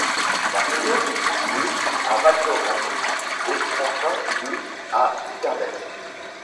La saison débute le à Val Thorens et prend fin le à Super-Besse.